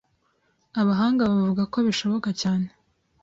Abahanga bavuga ko bishoboka cyane